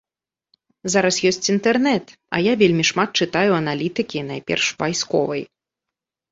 Зараз ёсць інтэрнэт, а я вельмі шмат чытаю аналітыкі, найперш вайсковай.